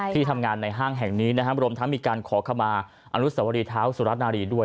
ที่ทำงานในห้างแห่งนี้นะครับรวมทั้งมีการขอขมาอนุสวรีเท้าสุรนารีด้วย